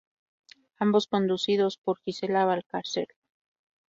Ambos conducidos por Gisela Valcárcel.